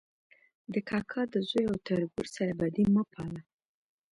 د کاکا د زوی او تربور سره بدي مه پاله